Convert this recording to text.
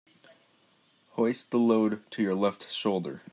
Hoist the load to your left shoulder.